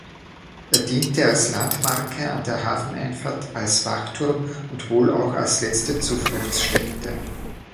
Er diente als Landmarke an der Hafeneinfahrt, als Wachturm und wohl auch letzte Zufluchtstätte.